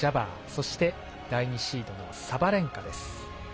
そして、第２シードのサバレンカです。